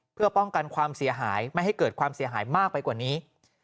เพื่อป้องกันความเสียหายไม่ให้เกิดความเสียหายมากไปกว่านี้